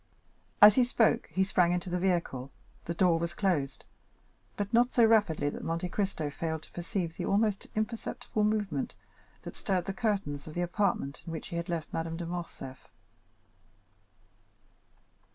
As he spoke, he sprang into the vehicle, the door was closed, but not so rapidly that Monte Cristo failed to perceive the almost imperceptible movement which stirred the curtains of the apartment in which he had left Madame de Morcerf.